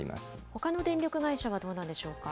ほかの電力会社はどうなんでしょうか。